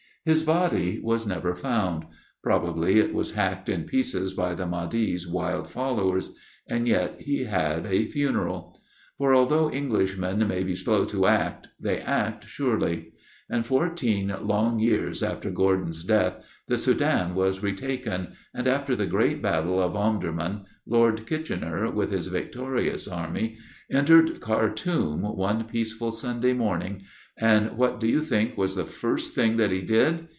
His body was never found; probably it was hacked in pieces by the Mahdi's wild followers; and yet he had a 'funeral.' For although Englishmen may be slow to act, they act surely; and fourteen long years after Gordon's death, the Soudan was retaken, and after the great Battle of Omdurman, Lord Kitchener, with his victorious army, entered Khartoum one peaceful Sunday morning, and what do you think was the first thing that he did?